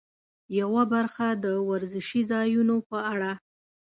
یوه برخه د ورزشي ځایونو په اړه.